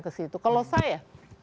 ke situ kalau saya